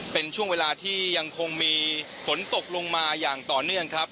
เป็นช่วงเวลาที่ยังคงมีฝนตกลงมาอย่างต่อเนื่องครับ